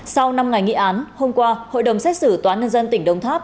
sau năm ngày nghị án hôm qua hội đồng xét xử tòa nhân dân tỉnh đồng tháp